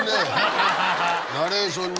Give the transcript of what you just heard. ナレーションに。